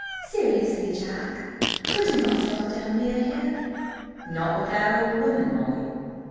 "Seriously, Jack, could you not settle down near here?" "Not with that old woman, Molly."